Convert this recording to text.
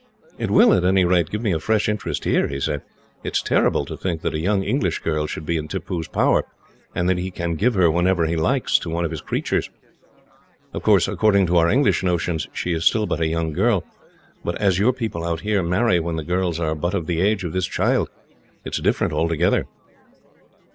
"It will, at any rate, give me a fresh interest here," he said. "It is terrible to think that a young English girl should be in Tippoo's power, and that he can give her, whenever he likes, to one of his creatures. Of course, according to our English notions, she is still but a young girl, but as your people out here marry when the girls are but of the age of this child, it is different altogether."